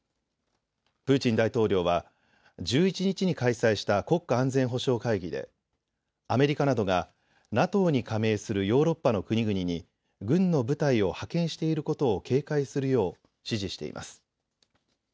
プーチン大統領は１１日に開催した国家安全保障会議でアメリカなどがＮＡＴＯに加盟するヨーロッパの国々に軍の部隊を派遣していることを警戒するよう指示しています。